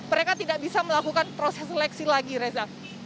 mereka tidak bisa melakukan proses seleksi lagi reza